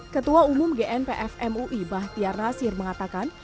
ketua umum genpfmui bahtiar nasir mengatakan